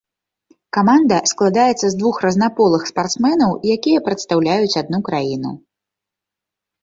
Каманда складаецца з двух разнаполых спартсменаў, якія прадстаўляюць адну краіну.